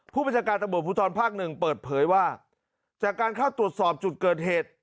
ผู้บัญชาการตำรวจภูทรภาคหนึ่งเปิดเผยว่าจากการเข้าตรวจสอบจุดเกิดเหตุ